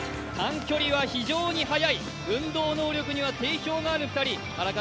短距離は非常に早い、運動能力には定評がある２人。